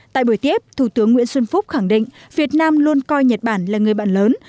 tại buổi tiếp thủ tướng nguyễn xuân phúc khẳng định việt nam luôn coi nhật bản là người bạn lớn